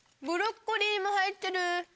ブロッコリーも入ってる。